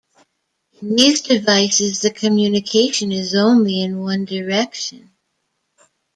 In these devices the communication is only in one direction.